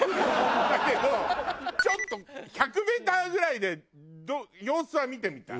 だけどちょっと１００メーターぐらいで様子は見てみたい。